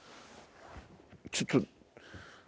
ちょっと。